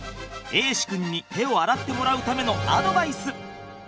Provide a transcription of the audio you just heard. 瑛志くんに手を洗ってもらうためのアドバイス！